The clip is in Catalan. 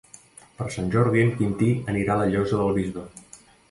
Per Sant Jordi en Quintí anirà a la Llosa del Bisbe.